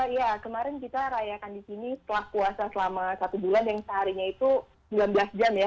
ya kemarin kita rayakan di sini setelah puasa selama satu bulan yang seharinya itu sembilan belas jam ya